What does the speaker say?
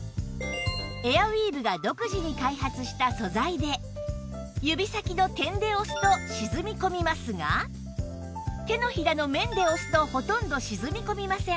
エアウィーヴが独自に開発した素材で指先の点で押すと沈み込みますが手のひらの面で押すとほとんど沈み込みません